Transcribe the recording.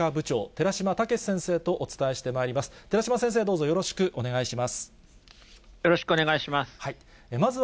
寺嶋先生、どうぞよろしくお願いします。